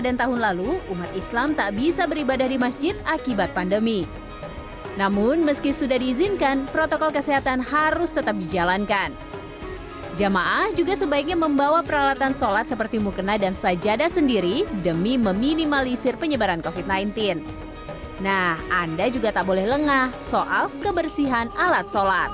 nah anda juga tak boleh lengah soal kebersihan alat sholat